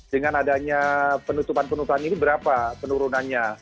dengan adanya penutupan penutupan ini berapa penurunannya